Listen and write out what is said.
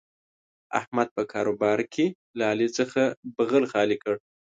احمد په کاروبار کې له علي څخه بغل خالي کړ.